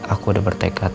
aku udah bertekad